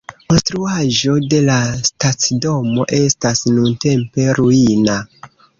Konstruaĵo de la stacidomo estas nuntempe ruina.